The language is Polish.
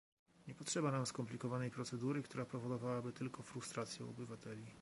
Nie potrzeba nam skomplikowanej procedury, która powodowałaby tylko frustrację u obywateli